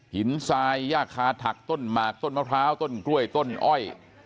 ทรายย่าคาถักต้นหมากต้นมะพร้าวต้นกล้วยต้นอ้อย